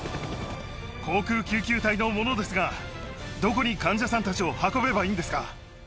航空救急隊の者ですが、どこに患者さんたちを運べばいいんですか？